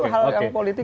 itu hal yang politik